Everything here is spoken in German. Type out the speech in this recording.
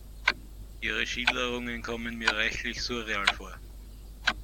Ihre Schilderungen kommen mir reichlich surreal vor.